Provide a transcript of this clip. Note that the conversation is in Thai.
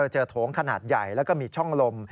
โถงขนาดใหญ่แล้วก็มีช่องลม